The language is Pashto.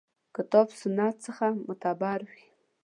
کتاب سنت څخه معتبر وي.